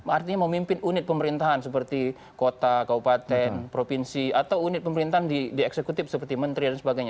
artinya memimpin unit pemerintahan seperti kota kaupaten provinsi atau unit pemerintahan di eksekutif seperti menteri dan sebagainya